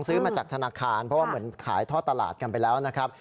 ซื้อมาจากธนาคารเพราะว่าเหมือนขายท่อตลาดกันไปแล้วนะครับ